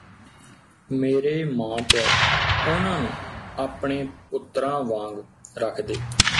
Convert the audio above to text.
ਮੇਰੇ ਮਾਂ ਪਿਓ ਉਹਨਾਂ ਨੂੰ ਆਪਣੇ ਪੁੱਤਰਾਂ ਵਾਂਗ ਰੱਖਦੇ